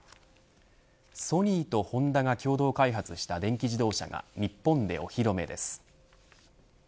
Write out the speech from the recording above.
ソニーとホンダが共同開発した電気自動車が日本でお披露目です。